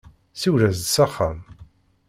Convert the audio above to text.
Siwel-as-d s axxam.